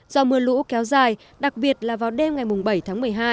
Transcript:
do mưa lũ kéo dài đặc biệt là vào đêm ngày bảy tháng một mươi hai